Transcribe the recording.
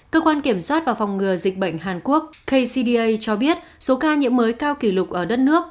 cơ quan kiểm soát và phòng ngừa dịch bệnh hàn quốc kcda cho biết số ca nhiễm mới cao kỷ lục ở đất nước